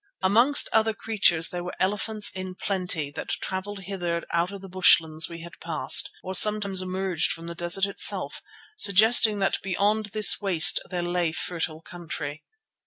Amongst other creatures there were elephants in plenty that travelled hither out of the bushlands we had passed, or sometimes emerged from the desert itself, suggesting that beyond this waste there lay fertile country.